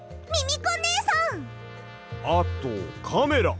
あと「カメラ」。